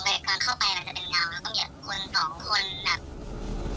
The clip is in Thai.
แล้วก็ต่อมารู้ว่าแบบ